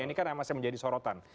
ini kan yang masih menjadi sorotan